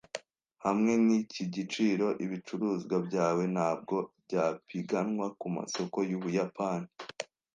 Hamwe niki giciro, ibicuruzwa byawe ntabwo byapiganwa kumasoko yUbuyapani.